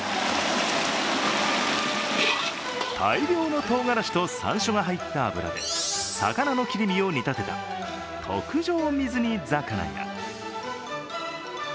大量のとうがらしとさんしょうが入った油で魚の切り身を煮立てた特上水煮魚。